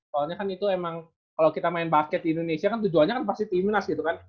soalnya kan itu emang kalau kita main basket di indonesia kan tujuannya kan pasti timnas gitu kan